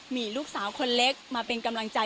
มีลูกสาวคนเล็กมาเป็นกำลังใจ